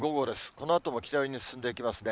このあとも北寄りに進んでいきますね。